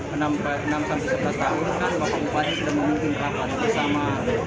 enam sebelas tahun bapak bupati sudah memungkinkan perhatian bersama